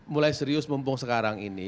mulai serius mumpung sekarang ini